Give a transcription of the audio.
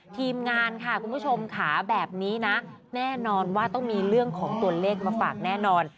ทีมงานค่ะคุณผู้ชมค่ะแบบนี้นะแน่นอนว่าต้องมีเรื่องของตัวเลขมาฝากแน่นอน